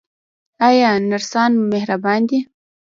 آیا نرسان مهربان دي؟